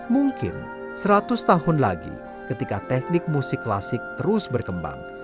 mungkin seratus tahun lagi ketika teknik musik klasik terus berkembang